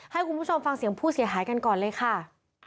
ให้คุณผู้ชมฟังเสียงผู้เสียหายกันก่อนเลยค่ะ